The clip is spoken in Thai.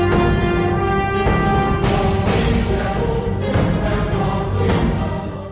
โปรดติดตามตอนต่อไป